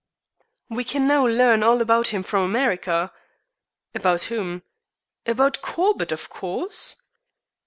"We can now learn all about him from America." "About whom?" "About Corbett, of course."